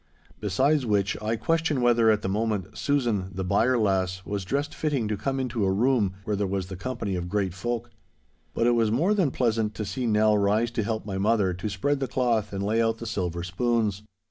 Besides which, I question whether at the moment Susan, the byre lass, was dressed fitting to come into a room where there was the company of great folk. But it was more than pleasant to see Nell rise to help my mother to spread the cloth and lay out the silver spoons.